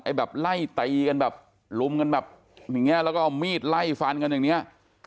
แบบไล่ตีกันแบบลุมกันแบบอย่างเงี้แล้วก็เอามีดไล่ฟันกันอย่างเนี้ย